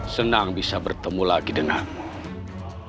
senang bisa bertemu lagi denganmu